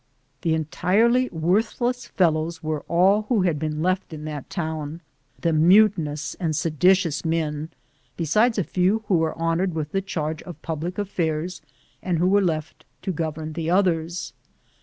The entirely worth less fellows were all who had been left in that town, the mutinous and seditious men, besides a few who were honored with the charge of public affairs and who were left to govern the others.